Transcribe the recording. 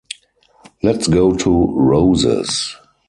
Let’s go to Roses.